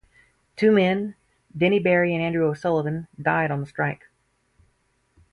Two men, Denny Barry and Andrew O'Sullivan, died on the strike.